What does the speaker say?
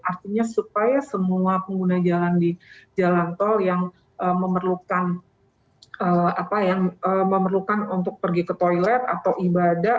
artinya supaya semua pengguna jalan di jalan tol yang memerlukan untuk pergi ke toilet atau ibadah